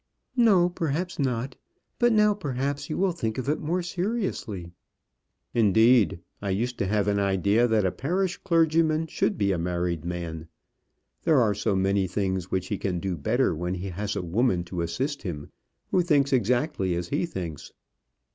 "No, perhaps not; but now perhaps you will think of it more seriously." "Indeed, I used to have an idea that a parish clergyman should be a married man. There are so many things which he can do better when he has a woman to assist him who thinks exactly as he thinks."